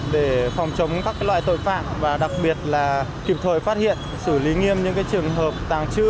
để phòng chống các loại tội phạm và đặc biệt là kịp thời phát hiện xử lý nghiêm những trường hợp tàng trữ